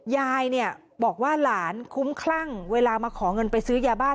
ยายเนี่ยบอกว่าหลานคุ้มคลั่งเวลามาขอเงินไปซื้อยาบ้า